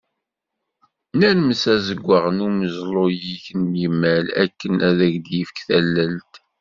Nermes asaǧǧaw n umeẓlu-ik n yimayl akken ad ak-d-yefk tallelt.